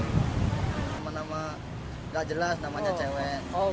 nama nama nggak jelas namanya cewek